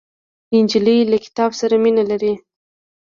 نجلۍ له کتاب سره مینه لري.